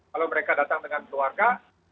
kalau mereka datang dengan keluarga